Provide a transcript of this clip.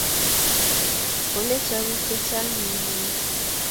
kolecho bik chichang nyimuny